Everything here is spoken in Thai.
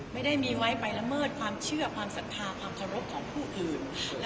ไม่ได้มีไว้ไปละเมิดความเชื่อความศรัทธาความเคารพของผู้อื่น